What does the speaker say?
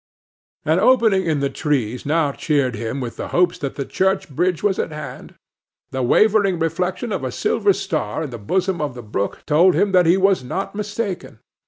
An opening in the trees now cheered him with the hopes that the church bridge was at hand. The wavering reflection of a silver star in the bosom of the brook told him that he was not mistaken.